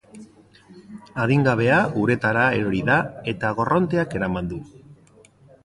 Adingabea uretara erori da eta korronteak eraman du.